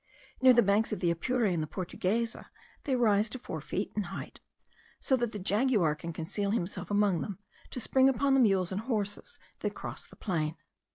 Near the banks of the Apure and the Portuguesa they rise to four feet in height, so that the jaguar can conceal himself among them, to spring upon the mules and horses that cross the plain.